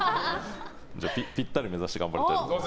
ぴったり目指して頑張りたいと思います。